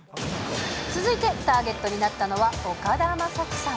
続いて、ターゲットになったのは、岡田将生さん。